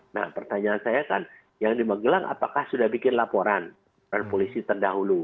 nah pertanyaan saya kan yang di magelang apakah sudah bikin laporan dari polisi terdahulu